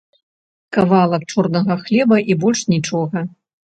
Кавалак чорнага хлеба, і больш нічога.